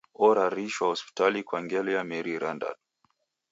Orarishwa hospitali kwa ngelo ya meri irandadu.